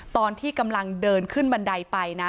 ตอนที่กำลังเดินขึ้นบันไดไปนะ